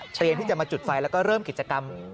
ที่จะมาจุดไฟแล้วก็เริ่มกิจกรรม